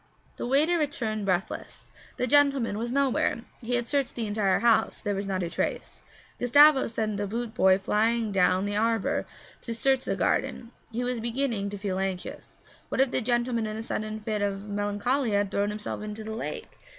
The waiter returned breathless. The gentleman was nowhere. He had searched the entire house; there was not a trace. Gustavo sent the boot boy flying down the arbour to search the garden; he was beginning to feel anxious. What if the gentleman in a sudden fit of melancholia had thrown himself into the lake?